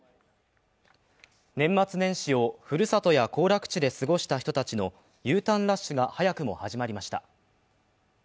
年末年始をふるさとや行楽地で過ごした人たちのＵターンラッシュが早くも始まりました。